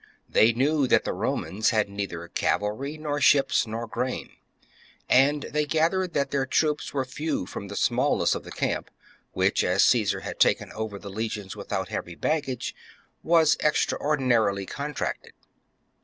They knew that the Romans had neither cavalry nor ships nor grain ; and they gathered that their troops were few from the smallness of the camp, which, as Caesar had taken over the legions without heavy baggage, was extraordinarily contracted.